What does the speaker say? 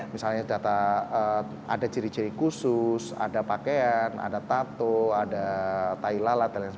misalnya data ada jiri jiri khusus ada pakaian ada tato ada tai lalat dll